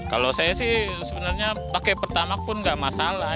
kalau saya sih sebenarnya pakai pertamak pun nggak masalah